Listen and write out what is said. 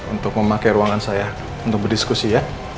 untuk memakai ruangan saya untuk berdiskusi ya